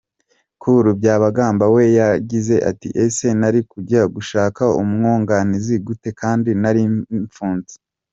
Col Byabagamba we yagize ati “Ese nari kujya gushaka umwunganizi gute kandi nari mfunze ?”